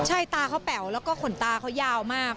ใช่ตาเขาแป๋วแล้วก็ขนตาเขายาวมาก